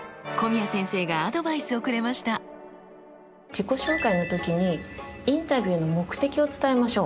自己紹介の時にインタビューの目的を伝えましょう。